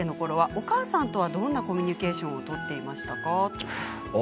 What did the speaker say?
お母さんとはどんなコミュニケーションを取っていましたか。